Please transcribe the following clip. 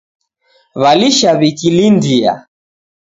Walisha wikilindia